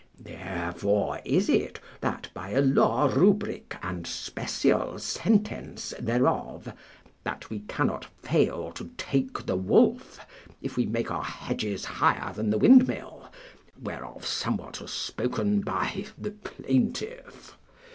Therefore is it, that by a law rubric and special sentence thereof, that we cannot fail to take the wolf if we make our hedges higher than the windmill, whereof somewhat was spoken by the plaintiff.